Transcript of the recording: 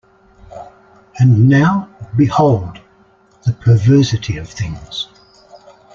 And now behold the perversity of things.